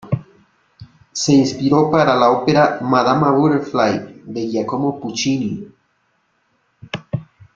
Se inspiró para la ópera "Madama Butterfly" de Giacomo Puccini.